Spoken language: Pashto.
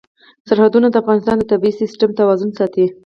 سرحدونه د افغانستان د طبعي سیسټم توازن ساتي.